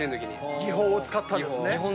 技法を使ったんですね。